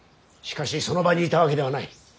しかしその場にいたわけではない。